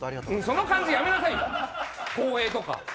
その感じ、やめなさいよ、光栄とか。